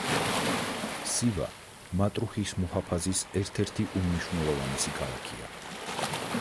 სივა მატრუჰის მუჰაფაზის ერთ-ერთი უმნიშვნელოვანესი ქალაქია.